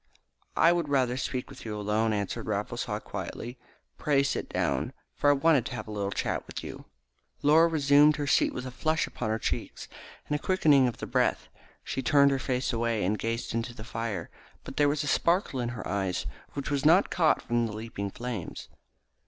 "I would rather speak with you alone," answered Raffles Haw quietly. "Pray sit down, for I wanted to have a little chat with you." Laura resumed her seat with a flush upon her cheeks and a quickening of the breath. She turned her face away and gazed into the fire; but there was a sparkle in her eyes which was not caught from the leaping flames.